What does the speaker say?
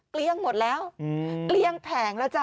เกลี้ยงหมดแล้วเกลี้ยงแผงแล้วจ้